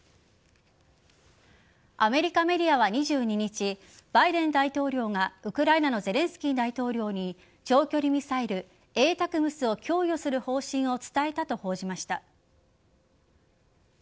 アメリカメディアは２２日バイデン大統領がウクライナのゼレンスキー大統領に長距離ミサイル・ＡＴＡＣＭＳを供与する方針を伝えたと報じました。